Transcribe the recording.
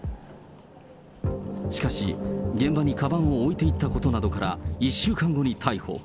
しかし、現場にかばんを置いていったことなどから、１週間後に逮捕。